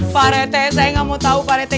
pak rete saya nggak mau tahu pak rete